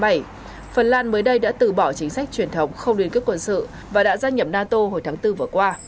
phần lan mới đây đã từ bỏ chính sách truyền thống không liên kết quân sự và đã gia nhập nato hồi tháng bốn vừa qua